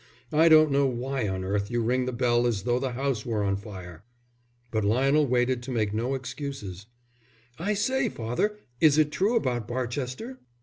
"I don't know why on earth you ring the bell as though the house were on fire." But Lionel waited to make no excuses. "I say, father, is it true about Barchester?"